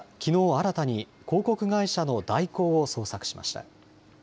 新たに広告会社の大広を捜索しました。